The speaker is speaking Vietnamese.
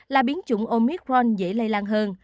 là biến chủng omicron dễ lây lan hơn